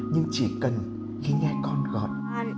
nhưng chỉ cần khi nghe con gọi